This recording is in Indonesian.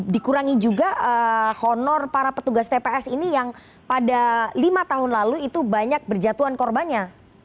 dikurangi juga honor para petugas tps ini yang pada lima tahun lalu itu banyak berjatuhan korbannya